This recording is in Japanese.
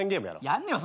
やんねえよ